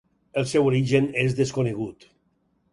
El seu origen és desconegut.